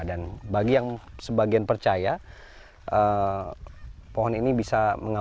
dan bagi yang sebagian percaya